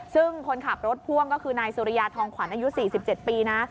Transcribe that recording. ซึ่งคนขับรถพ่วงก็คือนายสุริยาทองขวัญอายุ๔๗ปีนะ